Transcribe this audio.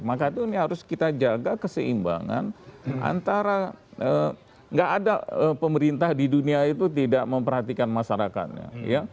maka itu ini harus kita jaga keseimbangan antara nggak ada pemerintah di dunia itu tidak memperhatikan masyarakatnya ya